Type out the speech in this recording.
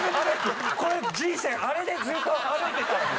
人生あれでずっと歩いてきたのに。